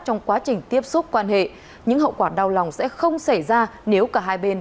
trong quá trình tiếp xúc quan hệ những hậu quả đau lòng sẽ không xảy ra nếu cả hai bên